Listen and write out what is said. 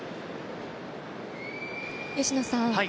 吉野さん